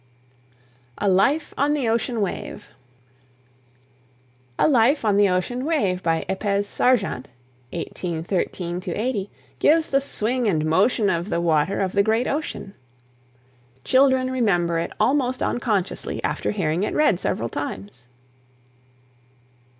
A LIFE ON THE OCEAN WAVE. "A Life on the Ocean Wave," by Epes Sargent (1813 80), gives the swing and motion of the water of the great ocean. Children remember it almost unconsciously after hearing it read several times.